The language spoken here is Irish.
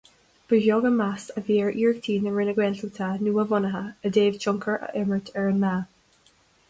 Ba bheag an meas a bhí ar iarrachtaí na Roinne Gaeltachta nua-bhunaithe i dtaobh tionchar a imirt ar an meath.